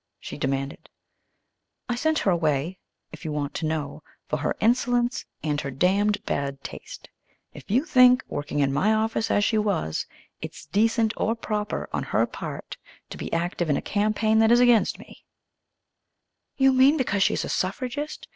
she demanded. "I sent her away, if you want to know, for her insolence and her damned bad taste. If you think working in my office as she was it's decent or proper on her part to be active in a campaign that is against me " "You mean because she's a suffragist?